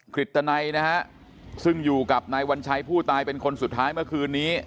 ฤตนัยนะฮะซึ่งอยู่กับนายวัญชัยผู้ตายเป็นคนสุดท้ายเมื่อคืนนี้